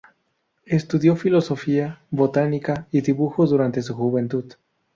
Estudio filosofía, botánica y dibujo durante su juventud.